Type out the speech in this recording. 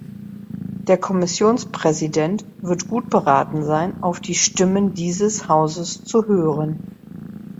Der Kommissionspräsident wird gut beraten sein, auf die Stimmen dieses Hauses zu hören.